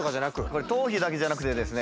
これ頭皮だけじゃなくてですね